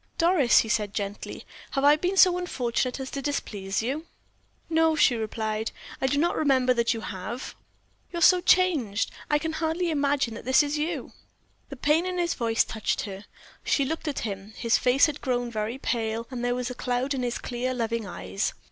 "Doris," he said, gently, "have I been so unfortunate as to displease you?" "No," she replied. "I do not remember that you have." "You're so changed, I can hardly imagine that this is you." The pain in his voice touched her. She looked at him; his face had grown very pale, and there was a cloud in his clear, loving eyes.